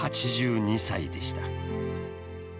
８２歳でした。